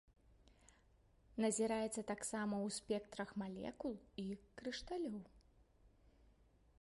Назіраецца таксама ў спектрах малекул і крышталёў.